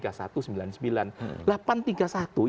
ada hukum formil kalau undang undang